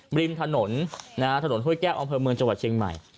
ริมถนนถนนห้วยแก้วอำเภอเมืองจังหวัดเชียงใหม่